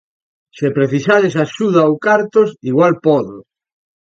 Se precisades axuda ou cartos, igual podo...